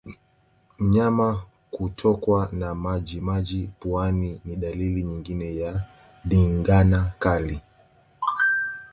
Mnyama kutokwa na majimaji puani ni dalili nyingine ya ndigana kali